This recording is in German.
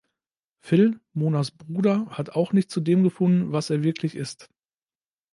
Phil, Monas Bruder hat auch nicht zu dem gefunden, was er wirklich ist.